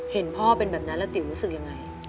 เห็นพ่อเป็นแบบนั้นแล้วติ๋วรู้สึกยังไง